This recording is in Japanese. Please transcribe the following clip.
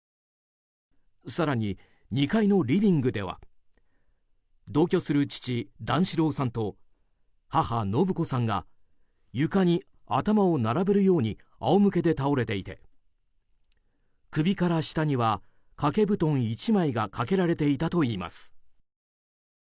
更に２階のリビングでは同居する父・段四郎さんと母・延子さんが床に頭を並べるように仰向けで倒れていて首から下には、掛け布団１枚がかけられていたといいます。